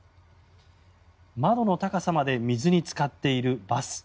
窓の高さまで水につかっているバス。